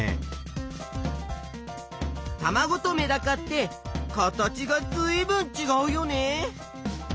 たまごとメダカって形がずいぶんちがうよね。